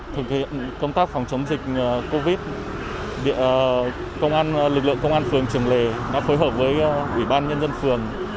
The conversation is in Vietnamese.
thực hiện công tác phòng chống dịch covid lực lượng công an phường trường lề đã phối hợp với ủy ban nhân dân phường